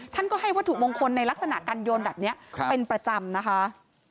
ท่านก็ให้วัตถุมงคลในลักษณะการโยนแบบนี้เป็นประจำนะคะ